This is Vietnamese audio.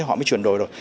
họ mới chuyển đổi rồi